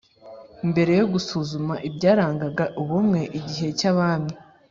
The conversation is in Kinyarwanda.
Mbere yo gusuzuma ibyarangagaubumwe igihe cy'abami,